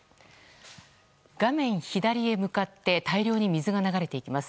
画面左へ向かって大量に水が流れていきます。